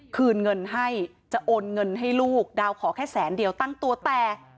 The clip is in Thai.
คืนเงินให้จะโอนเงินให้ลูกดาวขอแค่แสนเดียวตั้งตัวแต่